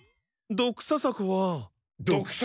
ドクササコは？